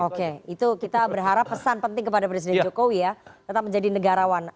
oke itu kita berharap pesan penting kepada presiden jokowi ya tetap menjadi negarawan